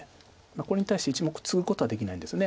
これに対して１目ツグことはできないんです。